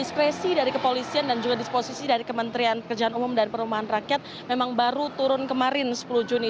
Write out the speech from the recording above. diskresi dari kepolisian dan juga disposisi dari kementerian pekerjaan umum dan perumahan rakyat memang baru turun kemarin sepuluh juni